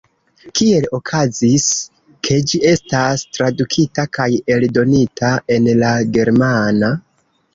Kiel okazis, ke ĝi estis tradukita kaj eldonita en la germana?